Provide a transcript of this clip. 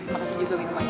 makasih juga minumannya